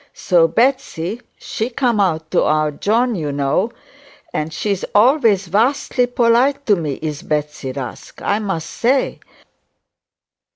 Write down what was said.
So Betsey, she come out to our John, you know, and she's always vastly polite to me, is Betsey Rusk, I must say.